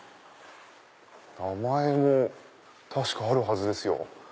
名前も確かあるはずですよ。